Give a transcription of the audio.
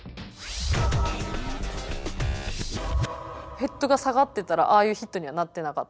ヘッドが下がってたらああいうヒットにはなってなかった。